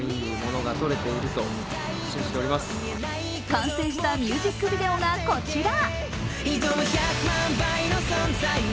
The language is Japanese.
完成したミュージックビデオがこちら。